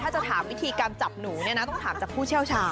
ถ้าจะถามวิธีการจับหนูเนี่ยนะต้องถามจากผู้เชี่ยวชาญ